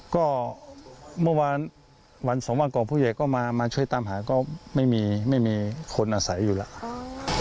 ก็เมื่อวานวันสองวันก่อนผู้ใหญ่ก็มาช่วยตามหาก็ไม่มีไม่มีคนอาศัยอยู่แล้ว